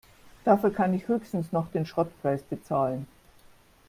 Dafür kann ich höchstens noch den Schrottpreis bezahlen.